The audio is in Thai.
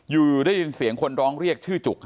อยู่ได้ยินเสียงคนร้องเรียกชื่อจุก